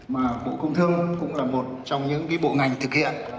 mà bộ công thương cũng là một trong những bộ ngành thực hiện